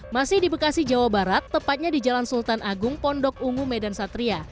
masih di bekasi jawa barat tepatnya di jalan sultan agung pondok ungu medan satria